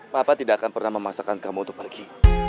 papa tidak akan pernah memaksakan kamu untuk pergi